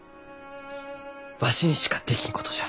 わしにしかできんことじゃ。